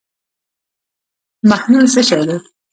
محلول څه شی دی.